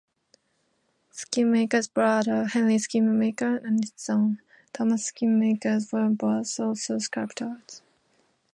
Scheemakers' brother, Henry Scheemakers, and his son, Thomas Scheemakers, were both also sculptors.